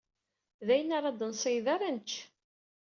D ayen ara d-nṣeyyed ara nečč.